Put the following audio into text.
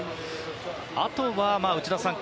あとは内田さん